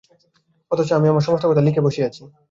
অথচ আমি আমার সমস্ত কথা লিখে বসে আছি।